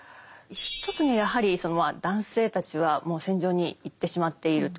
一つにはやはりそのまあ男性たちはもう戦場に行ってしまっていると。